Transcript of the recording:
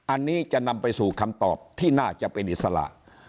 อันนี้จะนำไปสู่คำตอบที่น่าจะเป็นอิสระ